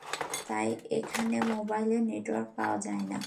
তাই এখানে মোবাইলের নেটওয়ার্ক পাওয়া যাইনা।